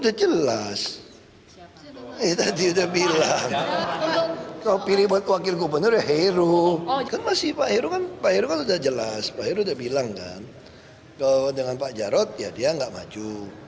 heru budi hartono